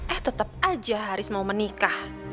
eh tetap aja haris mau menikah